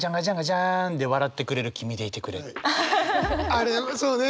あれはそうね！